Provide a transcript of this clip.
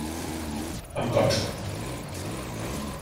Em consta.